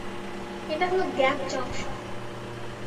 এটা হলো gap junction.